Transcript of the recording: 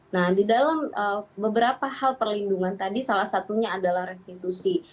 nah di dalam beberapa hal perlindungan tadi salah satunya adalah restitusi